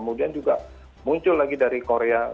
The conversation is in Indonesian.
kemudian juga muncul lagi dari korea leong do